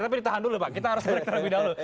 tapi ditahan dulu pak kita harus berbicara dulu